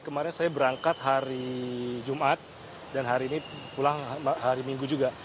kemarin saya berangkat hari jumat dan hari ini pulang hari minggu juga